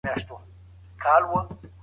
روژه د ځان کنټرول ښوونه کوي.